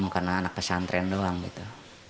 karena anak pesantren doang gitu